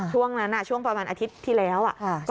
ช่วงนั้นช่วงประมาณอาทิตย์ที่แล้ว